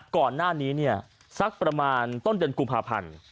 ก่อนหน้านี้สักประมาณต้นเดือนกุมภาพันธ์